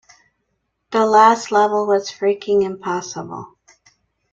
The last level was freaking impossible!